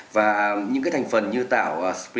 và những cái thành phần như tảo